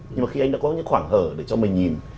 nhưng mà khi anh đã có những khoảng hở để cho mình nhìn